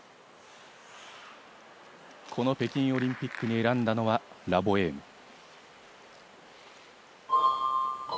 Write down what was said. この北京オリンピックに選んだのは「ラ・ボエーム」。